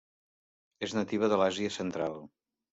És nativa de l'Àsia central: